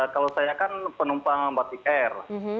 kalau saya kan penumpang batik air